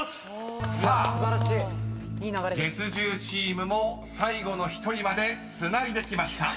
［さあ月１０チームも最後の１人までつないできました］